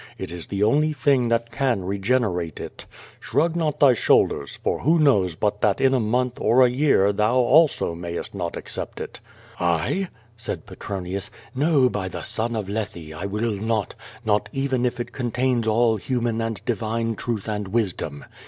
It is the only thing that can regenerate it. Shrug not thy shoulders, for who knows but that in a month or a year thou also ma3'est not accept it." "1?" said Petronius. "Xo, by the son of Lethe, I will not, not even if it contains all human and divine truth and wisdom.